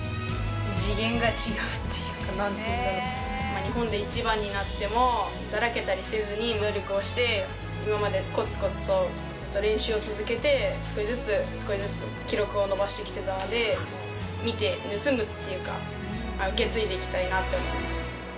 次元が違うっていうか、なんていうんだろう、日本で１番になっても、だらけたりせずに努力をして、今までこつこつとずっと練習を続けて、少しずつ、少しずつ記録を伸ばしてきてたので、見て盗むというか、受け継いでいきたいなって思います。